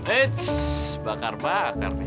eits bakar bakar nih